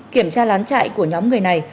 kiểm tra lán chạy của nhóm người này